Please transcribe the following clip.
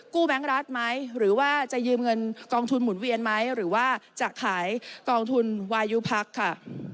แบงค์รัฐไหมหรือว่าจะยืมเงินกองทุนหมุนเวียนไหมหรือว่าจะขายกองทุนวายุพักค่ะ